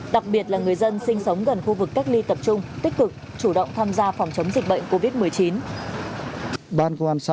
đặc biệt là người dân sinh sống gần khu vực cách ly tập trung tích cực